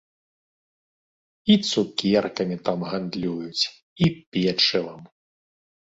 І цукеркамі там гандлююць, і печывам.